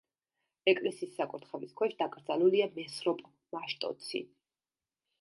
ეკლესიის საკურთხევლის ქვეშ დაკრძალულია მესროპ მაშტოცი.